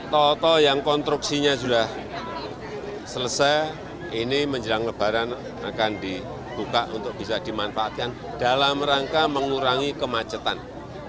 toto yang konstruksinya sudah selesai ini menjelang lebaran akan dibuka untuk bisa dimanfaatkan dalam rangka mengurangi kemacetan